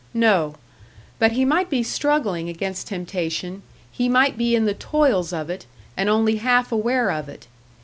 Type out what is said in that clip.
No; but he might be struggling against temptation, he might be in the toils of it, and only half aware of it.